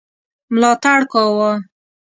ملاتړ کاوه.